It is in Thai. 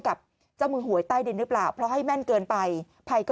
กับเจ้ามือหวยใต้ดินหรือเปล่าเพราะให้แม่นเกินไปภัยก็